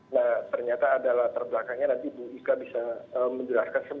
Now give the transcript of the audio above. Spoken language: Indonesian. nah ternyata adalah terbelakangnya nanti ibu ika bisa menjelaskan